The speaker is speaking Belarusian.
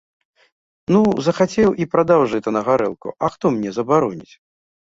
Ну, захацеў і прадаў жыта на гарэлку, а хто мне забароніць?